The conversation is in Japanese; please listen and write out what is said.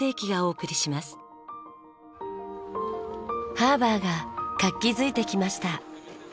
ハーバーが活気づいてきました。